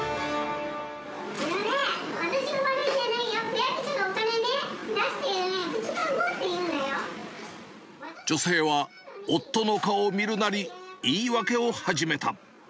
あのね、私が悪いんじゃないよ、区役所がお金ね、女性は夫の顔を見るなり、言い訳を始めた。